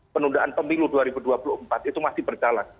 penundaan pemilu dua ribu dua puluh empat itu masih berjalan